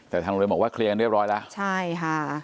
แต่ทางโรงเรียนบอกว่าเคลียร์กันเรียบร้อยแล้วใช่ค่ะ